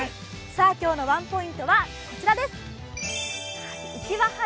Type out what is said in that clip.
今日のワンポイントは、こちらです。